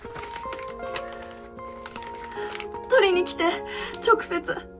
取りに来て直接。